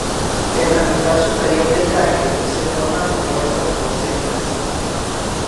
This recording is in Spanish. En la mitad superior del tallo se forman numerosas rosetas.